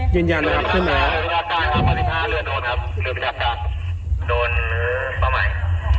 เย็นยันนะครับใช่ไหม